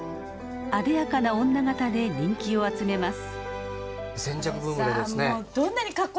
あでやかな女形で人気を集めます。